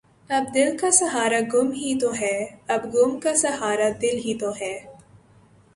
اب دل کا سہارا غم ہی تو ہے اب غم کا سہارا دل ہی تو ہے